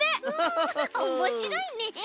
おもしろいね。